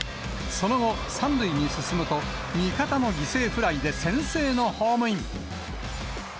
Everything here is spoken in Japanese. その後、３塁に進むと、味方の犠牲フライで先制のホームイン。